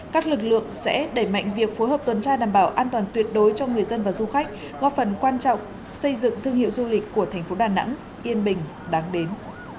các lực lượng sẽ đẩy mạnh việc phối hợp tuần tra đảm bảo an toàn tuyệt đối cho người dân và du khách góp phần quan trọng xây dựng thương hiệu du lịch của thành phố đà nẵng yên bình đáng đến